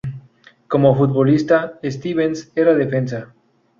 Como futbolista, Stevens era defensa.